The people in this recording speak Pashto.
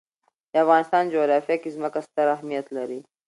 د افغانستان جغرافیه کې ځمکه ستر اهمیت لري.